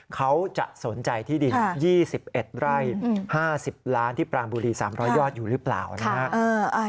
เขาจะสนใจที่ดิน๒๑ไร่๕๐ล้านที่ปรางบุรี๓๐๐ยอดอยู่หรือเปล่านะครับ